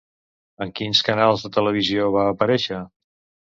En quins canals de televisió va aparèixer?